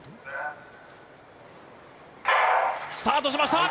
スタートしました。